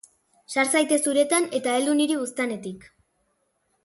Sar zaitez uretan, eta heldu niri buztanetik.